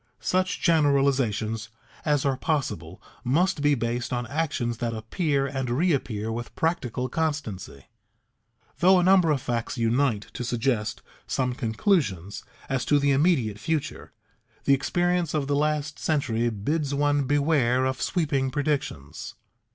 Such generalizations as are possible must be based on actions that appear and reappear with practical constancy. Though a number of facts unite to suggest some conclusions as to the immediate future, the experience of the last century bids one beware of sweeping predictions.